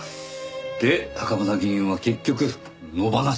で袴田議員は結局野放し状態？